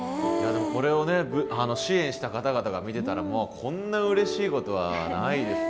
これをね支援した方々が見てたらこんなうれしいことはないですよ。